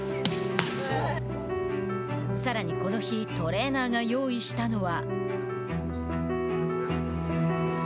さらに、この日トレーナーが用意したのは。